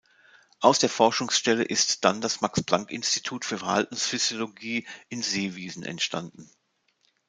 Aus der Forschungsstelle ist dann das Max-Planck-Institut für Verhaltensphysiologie in Seewiesen entstanden.